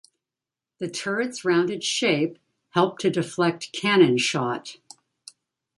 The turret's rounded shape helped to deflect cannon shot.